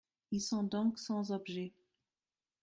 Ils sont donc sans objet.